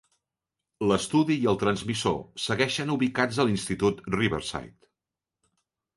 L'estudi i el transmissor segueixen ubicats a l'institut Riverside.